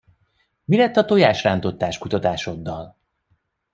Mi lett a tojásrántottás kutatásoddal?